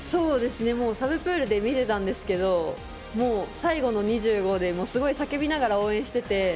サブプールで見ていたんですけど最後の２５ですごい叫びながら応援していて。